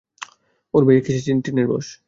ওহ্ ভাইয়া, কীসের জ্বীন - টিনের বশ।